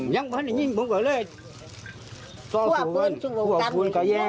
ก่ับมือส่วนปืน